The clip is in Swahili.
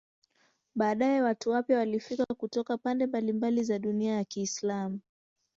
Baadaye watu wapya walifika kutoka pande mbalimbali za dunia ya Kiislamu.